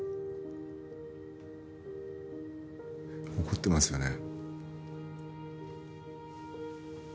怒ってますよね。